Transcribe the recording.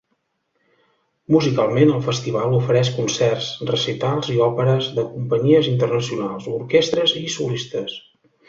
Musicalment, el festival ofereix concerts, recitals i òperes de companyies internacionals, orquestres i solistes.